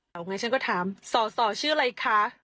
เอาไงฉันก็ถามสอสอชื่ออะไรคะ